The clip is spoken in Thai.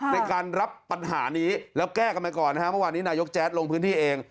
ในการรับปัญหานี้แล้วแก้กันไปก่อนนะฮะเมื่อวานนี้นายกแจ๊ดลงพื้นที่เอง